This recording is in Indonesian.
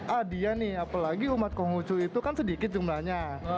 ah dia nih apalagi umat konghucu itu kan sedikit jumlahnya